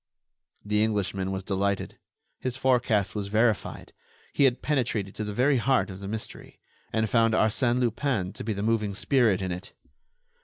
The Englishman was delighted. His forecast was verified; he had penetrated to the very heart of the mystery, and found Arsène Lupin to be the moving spirit in it.